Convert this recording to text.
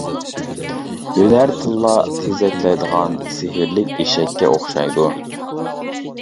ھۈنەر تىللا تېزەكلەيدىغان سېھىرلىك ئېشەككە ئوخشايدۇ.